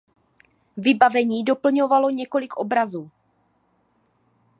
Vybavení doplňovalo několik obrazů.